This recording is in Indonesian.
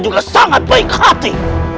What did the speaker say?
juga sangat baik hati